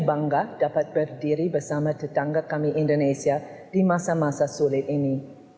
bangga dapat berdiri bersama tetangga kami indonesia di masa masa sulit ini